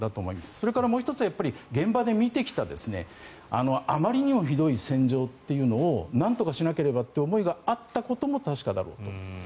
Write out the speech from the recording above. それからもう１つは現場で見てきたあまりにもひどい戦場というのをなんとかしなければという思いがあったことも確かだろうと思います。